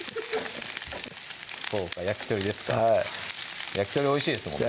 そうか焼き鳥ですかはい焼き鳥美味しいですもんね